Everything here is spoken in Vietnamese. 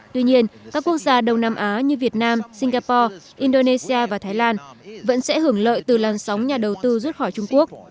tuy nhiên các quốc gia đông nam á như việt nam singapore indonesia và thái lan vẫn sẽ hưởng lợi từ làn sóng nhà đầu tư rút khỏi trung quốc